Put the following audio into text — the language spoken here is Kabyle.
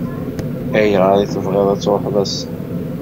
Ayɣer i tebɣiḍ ad tṛuḥeḍ ass-a?